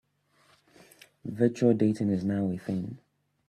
Virtual dating is now a thing.